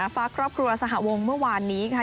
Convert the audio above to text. ฝากครอบครัวสหวงเมื่อวานนี้ค่ะ